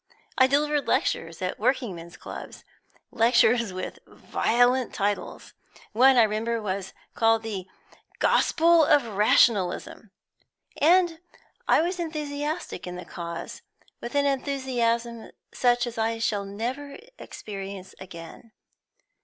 I delivered lectures at working men's clubs, lectures with violent titles. One, I remember, was called 'The Gospel of Rationalism.' And I was enthusiastic in the cause, with an enthusiasm such as I shall never experience again.